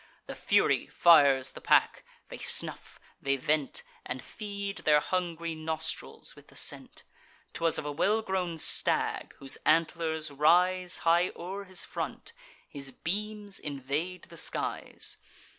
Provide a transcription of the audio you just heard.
The Fury fires the pack; they snuff, they vent, And feed their hungry nostrils with the scent. 'Twas of a well grown stag, whose antlers rise High o'er his front; his beams invade the skies.